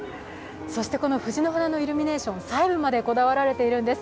この藤の花のイルミネーション細部までこだわられているんです。